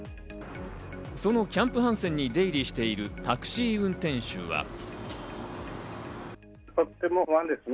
そのキャンプ・ハンセンに出入りしているタクシー運転手は。